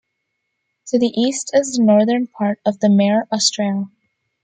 To the east is the northern part of the Mare Australe.